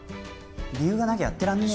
理由がなきゃやってらんねえよ